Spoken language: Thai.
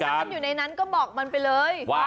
ถ้ามันอยู่ในนั้นก็บอกมันไปเลย